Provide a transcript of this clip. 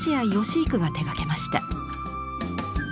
幾が手がけました。